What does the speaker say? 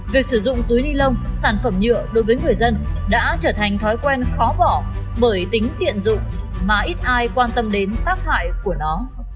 việc sử dụng túi ni lông sản phẩm nhựa đối với người dân đã trở thành thói quen khó bỏ bởi tính tiện dụng mà ít ai quan tâm đến tác hại của nó